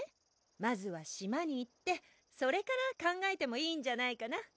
まずは島に行ってそれから考えてもいいんじゃないかな